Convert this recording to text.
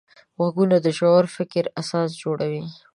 غوږونه د ژور فکر اساس جوړوي